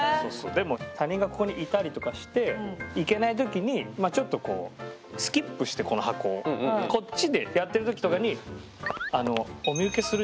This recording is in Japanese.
でも他人がここにいたりとかして行けない時にちょっとこうスキップしてこの箱をこっちでやってる時とかにとか言われる。